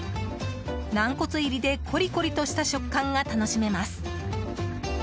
軟骨入りでコリコリとした食感が楽しめます。